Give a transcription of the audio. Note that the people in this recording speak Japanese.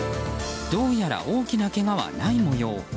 どうやら大きなけがはない模様。